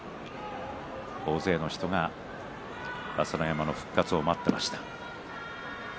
大勢の人が朝乃山の復活を待っていました。